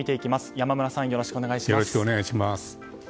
山村さん、よろしくお願いします。